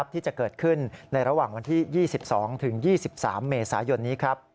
ที่จะเกิดขึ้นในระหว่างวันที่๒๒๒๓เมษายนนี้